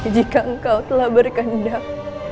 jika engkau telah berkendang